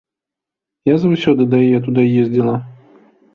Я заўсёды да яе туды ездзіла.